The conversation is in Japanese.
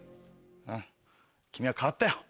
うん君は変わったよ。